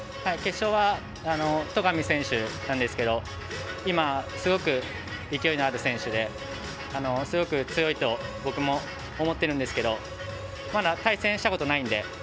決勝は戸上選手なんですが今、すごく勢いのある選手ですごく強いと僕も思ってるんですけどまだ対戦したことないので。